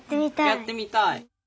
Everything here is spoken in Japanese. やってみたい？